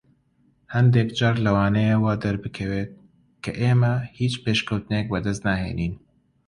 هەندێک جار لەوانەیە وا دەربکەوێت کە ئێمە هیچ پێشکەوتنێک بەدەست ناهێنین.